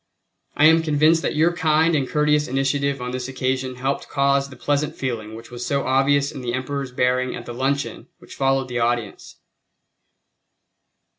I am convinced that your kind and courteous initiative on this occasion helped cause the pleasant feeling which was so obvious in the Emperor's bearing at the luncheon which followed the audience.